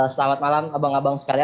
selamat malam abang abang sekalian